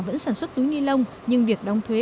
vẫn sản xuất túi ni lông nhưng việc đóng thuế